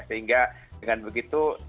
sehingga dengan begitu